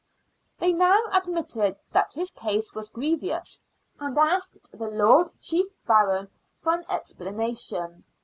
They now admitted that his case was " grievous," and asked the Lord Chief Baron for an explanation.